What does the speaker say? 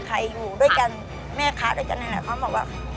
ครั้งแรกที่มาขายที่พระราม๒เป็นไงฮะ